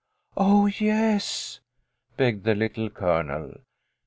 " Oh, yes !" begged the Little Colonel.